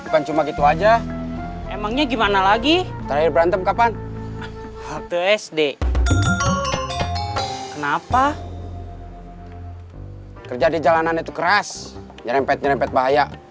penanganannya itu keras nyerempet nyerempet bahaya